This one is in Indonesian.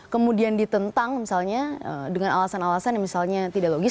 kemudian ditentang misalnya dengan alasan alasan yang misalnya tidak logis